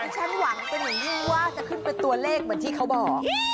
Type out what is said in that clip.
ฉันหวังเป็นอย่างยิ่งว่าจะขึ้นเป็นตัวเลขเหมือนที่เขาบอก